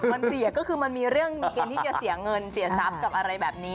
มันเสียก็คือมันมีเรื่องมีเกณฑ์ที่จะเสียเงินเสียทรัพย์กับอะไรแบบนี้